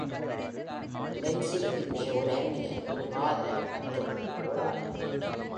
லென்ஸின் பின்னே, ஒரு அந்நியன், ஒரு காதலன் மற்றும் ஒரு போராளி ...